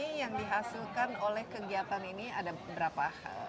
dan yang terhasilkan oleh kegiatan ini ada berapa